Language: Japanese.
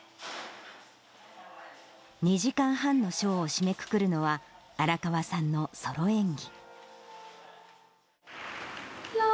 ２時間半のショーを締めくくるのは、荒川さんのソロ演技。